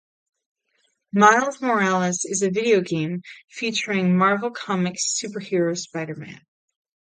Miles Morales is a video game featuring the Marvel Comics superhero Spider-Man